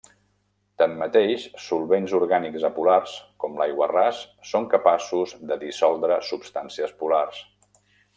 Tanmateix solvents orgànics apolars, com l'aiguarràs, són capaços de dissoldre substàncies polars.